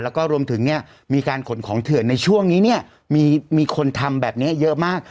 แล้วก็รวมถึงเนี่ยมีการขนของเถื่อนในช่วงนี้เนี่ยมีคนทำแบบนี้เยอะมาก